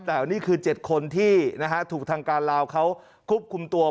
แต่นี่คือ๗คนที่นะฮะถูกทางการลาวเขาควบคุมตัว